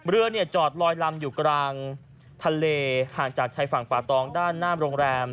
เรือจอดลอยลำอยู่กลางทะเลห่างจากชายฝั่งป่าตองด้านหน้าโรงแรม